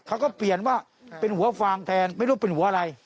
เขาก็เปลี่ยนว่าเป็นหัวฟางแทนไม่รู้เป็นหัวอะไร